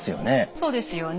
そうですよね。